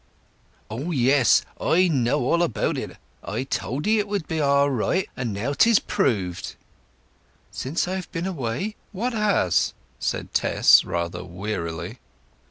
"Oh yes; I know all about it! I told 'ee it would be all right, and now 'tis proved!" "Since I've been away? What has?" said Tess rather wearily.